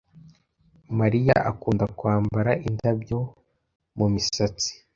Mariya akunda kwambara indabyo mumisatsi.